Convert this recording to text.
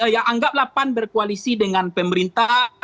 ya anggaplah pan berkoalisi dengan pemerintah